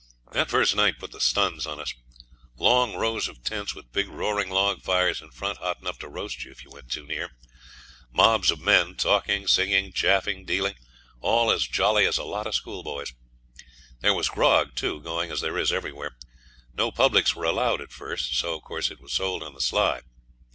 The first night put the stuns on us. Long rows of tents, with big roaring log fires in front hot enough to roast you if you went too near; mobs of men talking, singing, chaffing, dealing all as jolly as a lot of schoolboys. There was grog, too, going, as there is everywhere. No publics were allowed at first, so, of course, it was sold on the sly.